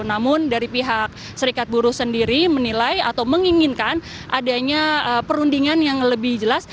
namun dari pihak serikat buruh sendiri menilai atau menginginkan adanya perundingan yang lebih jelas